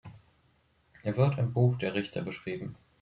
Er wird im Buch der Richter beschrieben.